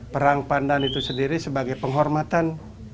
perang pandan itu sendiri sebagai penghormatan